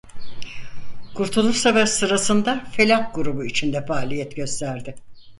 Kurtuluş Savaşı sırasında Felah Grubu içinde faaliyet gösterdi.